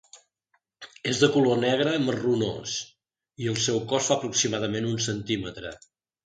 És de color negre marronós i el seu cos fa aproximadament un centímetre.